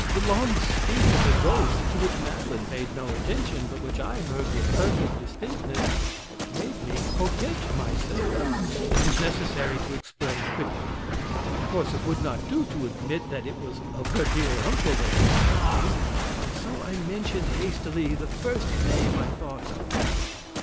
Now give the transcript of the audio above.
The long speech of the ghost, to which Madeline paid no attention, but which I heard with perfect distinctness, had made me forget myself. It was necessary to explain quickly. Of course, it would not do to admit that it was of her dear uncle that I was speaking; and so I mentioned hastily the first name I thought of.